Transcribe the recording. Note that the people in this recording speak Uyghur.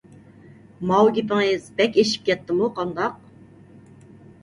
ماۋۇ گېپىڭىز بەك ئېشىپ كەتتىمۇ قانداق؟